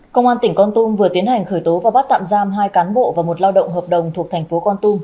công an tỉnh con tum vừa tiến hành khởi tố và bắt tạm giam hai cán bộ và một lao động hợp đồng thuộc thành phố con tum